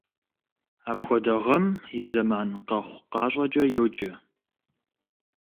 Апхуэдэ гъэм и зэман къэхъу-къащӀэкӀэ йоджэ.